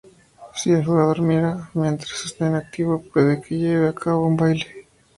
Si el jugador mira, mientras está inactivo, puede que lleve a cabo un baile.